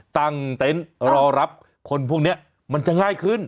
เต็นต์รอรับคนพวกนี้มันจะง่ายขึ้น